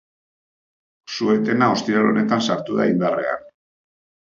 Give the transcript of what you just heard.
Su-etena ostiral honetan sartu da indarrean.